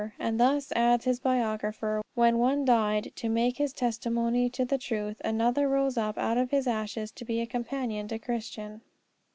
And thus, adds his biographer, when one died to make his testimony to the truth, another rose up out of his ashes to be a companion to Christian.